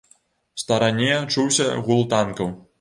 У старане чуўся гул танкаў.